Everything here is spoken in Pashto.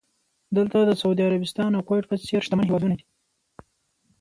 دلته د سعودي عربستان او کوېټ په څېر شتمن هېوادونه دي.